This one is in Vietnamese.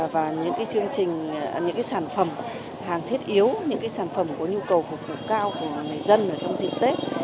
và những sản phẩm hàng thiết yếu những sản phẩm có nhu cầu phục vụ cao của người dân trong dịp tết